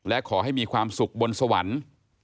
และขอให้มีความสุขบนสวรรค์